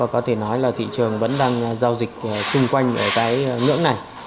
có thể nói là thị trường vẫn đang giao dịch xung quanh ngưỡng này